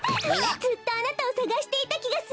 ずっとあなたをさがしていたきがする。